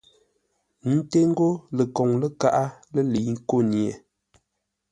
Ńté ńgó ləkoŋ-lə́kaʼá lə́ lə̌i nkô nye.